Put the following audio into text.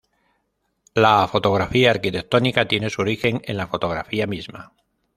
La fotografía arquitectónica tiene su origen en la fotografía misma.